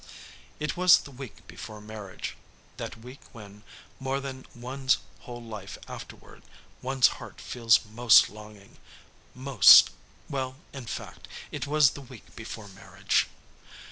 It was the week before marriage, that week when, more than one's whole life afterward, one's heart feels most longing most well, in fact, it was the week before marriage.